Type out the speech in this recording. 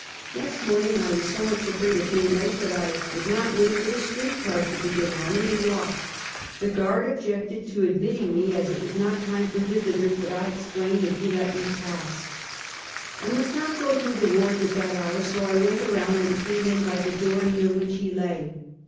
I^ext morning I was so much afraid of being late that I would not wait for the street cars to begin running, but walked. The guard objected to admitting me, as it was not time for visitors, but I explained and he let me pass. 246 Half a Century. I must not go through the wards at that hour, so went around and came in bv the door near which he lay.